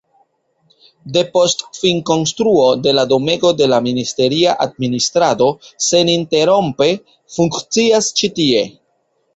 Depost finkonstruo de la domego la ministeria administrado seninterrompe funkcias ĉi tie.